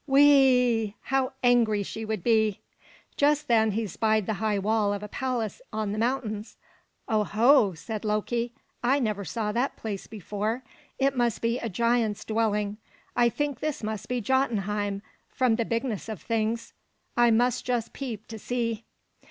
Whee e e! How angry she would be!" Just then he spied the high wall of a palace on the mountains. "Oho!" said Loki. "I never saw that place before. It may be a giant's dwelling. I think this must be Jotunheim, from the bigness of things. I must just peep to see."